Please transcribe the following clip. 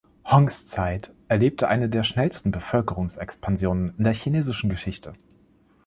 Hongs Zeit erlebte eine der schnellsten Bevölkerungsexpansionen in der chinesischen Geschichte.